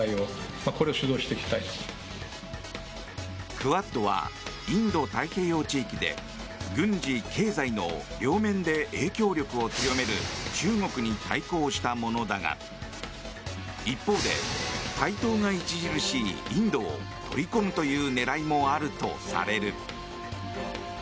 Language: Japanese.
クアッドはインド太平洋地域で軍事・経済の両面で影響力を強める中国に対抗したものだが一方で、台頭が著しいインドを愛の物語なんですよ。